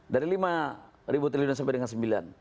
dari lima triliun sampai dengan sembilan